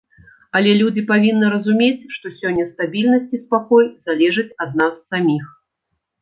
Але людзі павінны разумець, што сёння стабільнасць і спакой залежаць ад нас саміх.